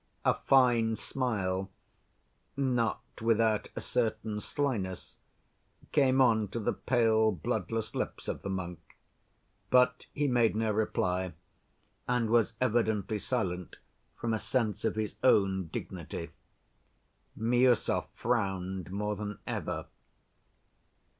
A fine smile, not without a certain slyness, came on to the pale, bloodless lips of the monk, but he made no reply, and was evidently silent from a sense of his own dignity. Miüsov frowned more than ever.